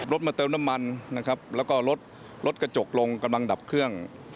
มาเติมน้ำมันนะครับแล้วก็รถรถกระจกลงกำลังดับเครื่อง